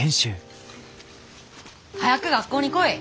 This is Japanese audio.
早く学校に来い。